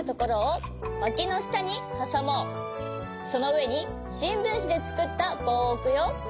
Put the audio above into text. そのうえにしんぶんしでつくったぼうをおくよ。